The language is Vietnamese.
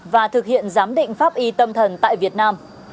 và thực hiện giám định pháp y tâm thần tại việt nam